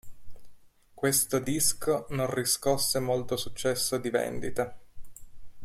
Questo disco non riscosse molto successo di vendita.